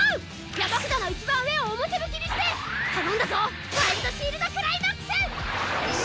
山札のいちばん上を表向きにして頼んだぞワイルド・シールド・クライマックス！